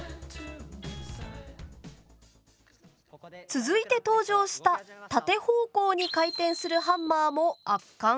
続いて登場した縦方向に回転するハンマーも圧巻。